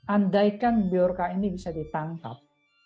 andaikan biorca ini bisa ditangkap